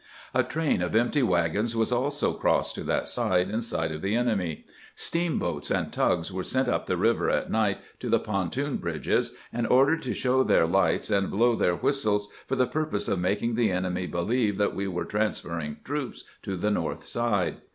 A train of empty wagons was also crossed to that side in sight of the enemy. Steamboats and tugs were sent up the river at night to the pontoon bridges, and ordered to show their lights and blow their whistles for the pur pose of making the enemy believe that we were trans ferring troops to the north side.